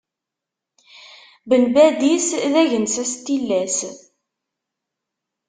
Ben Badis d agensas n tillas.